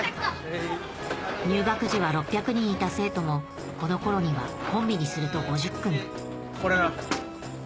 入学時は６００人いた生徒もこの頃にはコンビにすると５０組これな。